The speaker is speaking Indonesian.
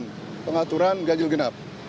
dan pengaturan ganjil genap